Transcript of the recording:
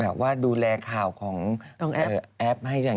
แบบว่าฮ่าข่าวเก็บย้อน